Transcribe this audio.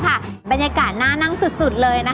เพราะว่าผักหวานจะสามารถทำออกมาเป็นเมนูอะไรได้บ้าง